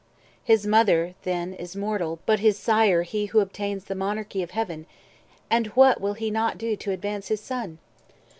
His mother, than, is mortal, but his Sire He who obtains the monarchy of Heaven; And what will He not do to advance his Son?